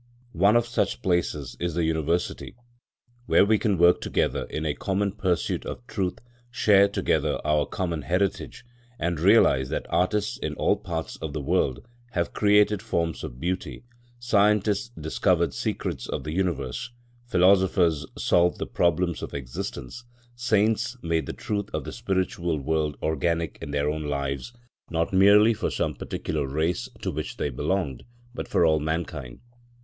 One of such places is the University, where we can work together in a common pursuit of truth, share together our common heritage, and realise that artists in all parts of the world have created forms of beauty, scientists discovered secrets of the universe, philosophers solved the problems of existence, saints made the truth of the spiritual world organic in their own lives, not merely for some particular race to which they belonged, but for all mankind.